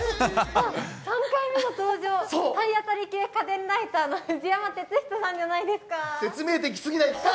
３回目の登場、体当たり系家電ライターの藤山哲人さんじゃないですか。